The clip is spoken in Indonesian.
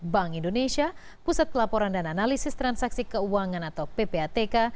bank indonesia pusat pelaporan dan analisis transaksi keuangan atau ppatk